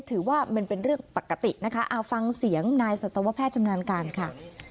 ถือว่าเป็นเรื่องปกตินะคะเอาฟังเสียงนายสัตวแพทย์ชำนาญการค่ะ